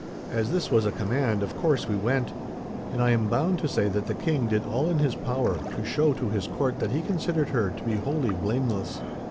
"As this was a command, of course we went, and I am bound to say that the king did all in his power to show to his court that he considered her to be wholly blameless.